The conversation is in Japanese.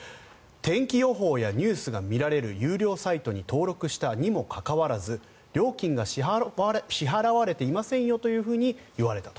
天気予報やニュースが見られる有料サイトに登録したにもかかわらず料金が支払われていませんよと言われたと。